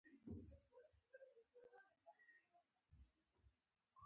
قانون زموږ د ټولنې نظم ساتي.